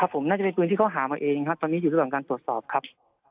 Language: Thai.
ผมน่าจะเป็นปืนที่เขาหามาเองครับตอนนี้อยู่ระหว่างการตรวจสอบครับ